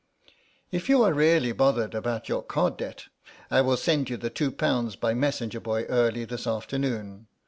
"If you are really bothered about your card debt I will send you the two pounds by messenger boy early this afternoon."